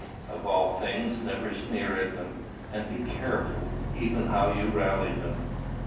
Of all things, never sneer at them; and be careful, even, how you rally them.